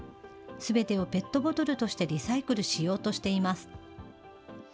すべてをペットボトルとしてリサイクルしようとしています。